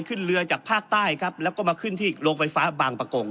ขึ้นเรือจากภาคใต้ครับแล้วก็มาขึ้นที่โรงไฟฟ้าบางประกง